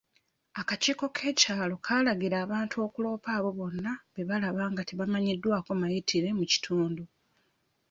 Akakiiko k'ekyalo kaalagira abantu okuloopa abo bonna be balaba nga tebamanyiddwako mayitire mu kitundu.